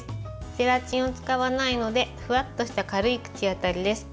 ゼラチンを使わないのでふわっとした軽い口当たりです。